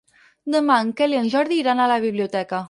Demà en Quel i en Jordi iran a la biblioteca.